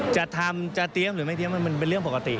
จะทำจะเตรียมหรือไม่เตรียมมันเป็นเรื่องปกติ